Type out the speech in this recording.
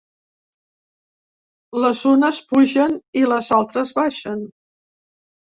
Les unes pugen i les altres baixen.